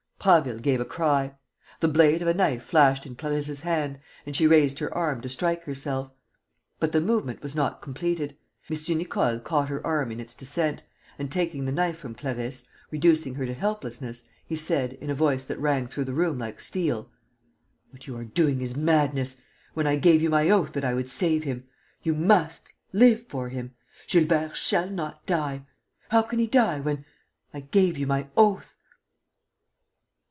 Prasville gave a cry. The blade of a knife flashed in Clarisse's hand and she raised her arm to strike herself. But the movement was not completed. M. Nicole caught her arm in its descent and, taking the knife from Clarisse, reducing her to helplessness, he said, in a voice that rang through the room like steel: "What you are doing is madness!... When I gave you my oath that I would save him! You must ... live for him.... Gilbert shall not die.... How can he die, when ... I gave you my oath?..."